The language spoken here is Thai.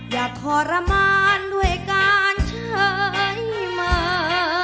อย่าทรมานด้วยการใช้เมื่อ